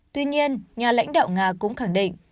tuy nhiên nhà lãnh đạo nga cũng khẳng định